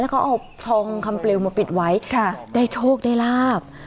เขาเอาทองคำเปลวมาปิดไว้ได้โชคได้ลาบ